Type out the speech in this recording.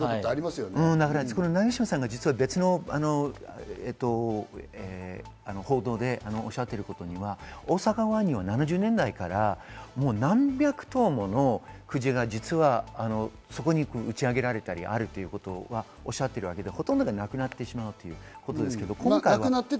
海岸にクジラが打ち上げられ鍋島さんが別の報道でおっしゃっていることには、大阪湾には７０年代から何百頭ものクジラが実は打ち上げられたりということをおっしゃっているわけで、ほとんどが亡くなってしまうということです。